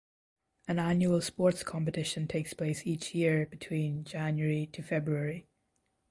An annual sports competition takes place each year between January to February.